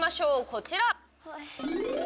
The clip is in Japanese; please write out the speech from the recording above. こちら！